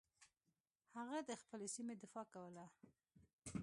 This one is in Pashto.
هغه د خپلې سیمې دفاع کوله.